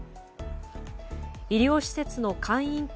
医療施設の会員権